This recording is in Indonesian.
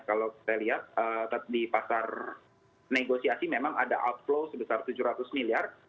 kalau kita lihat di pasar negosiasi memang ada outflow sebesar tujuh ratus miliar